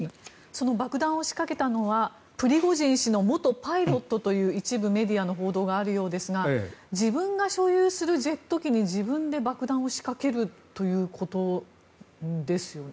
その爆弾を仕掛けたのはプリゴジン氏の元パイロットという一部メディアの報道があるようですが自分が所有するジェット機に自分で爆弾を仕掛けるということですよね？